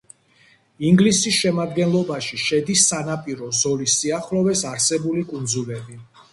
ინგლისის შემადგენლობაში შედის სანაპირო ზოლის სიახლოვეს არსებული კუნძულები.